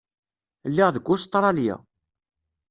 Lliɣ deg Ustṛalya.